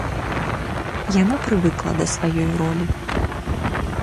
Яна прывыкла да сваёй ролі.